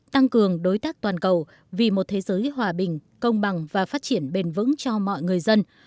tăng cường đối tác toàn cầu vì một thế giới hòa bình công bằng và phát triển bền vững cho mọi người dân